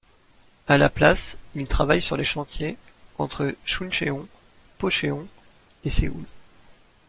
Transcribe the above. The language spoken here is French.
A la place, il travaille sur les chantiers entre Chuncheon, Pocheon et Séoul.